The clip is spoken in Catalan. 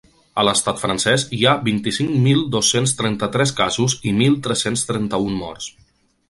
A l’estat francès hi ha vint-i-cinc mil dos-cents trenta-tres casos i mil tres-cents trenta-un morts.